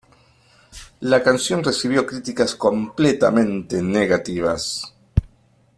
La canción recibió críticas completamente negativas.